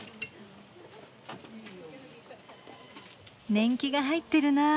年季が入ってるなぁ。